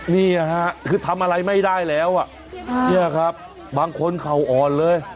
นี่ฮะคือทำอะไรไม่ได้แล้วอ่ะเนี่ยครับบางคนเขาอ่อนเลย